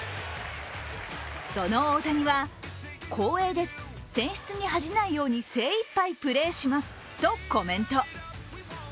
その大谷は、光栄です、選出に恥じないように精いっぱいプレーしますとコメント。